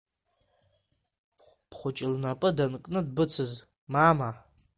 Бхәыҷ лнапы данкны дбыцыз, мамаа!